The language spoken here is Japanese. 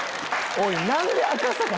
おい何で。